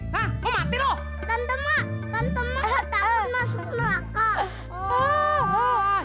tante mbak tante mbak takut masuk melaka